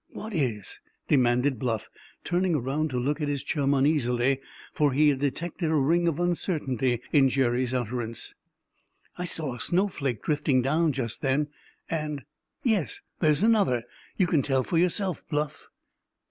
"What is?" demanded Bluff, turning around to look at his chum uneasily, for he had detected a ring of uncertainty in Jerry's utterance. "I saw a snowflake drifting down just then; and—yes, there's another; you can tell for yourself, Bluff!"